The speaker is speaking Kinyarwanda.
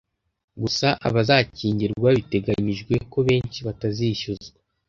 Gusa abazakingirwa biteganyijwe ko benshi batazishyuzwa.